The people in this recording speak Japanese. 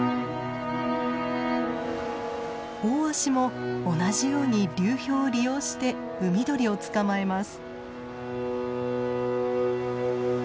オオワシも同じように流氷を利用して海鳥を捕まえます。